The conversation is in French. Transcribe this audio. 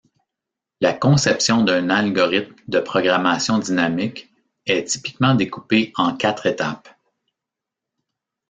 La conception d’un algorithme de programmation dynamique est typiquement découpée en quatre étapes.